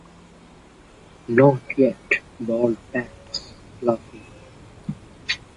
“Not yet,” bawled Pax, laughing.